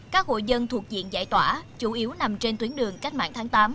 các hội dân thuộc diện giải tỏa chủ yếu nằm trên tuyến đường cách mạng tháng tám